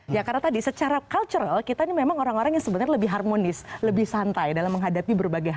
ya karena tadi secara cultural kita ini memang orang orang yang sebenarnya lebih harmonis lebih santai dalam menghadapi berbagai hal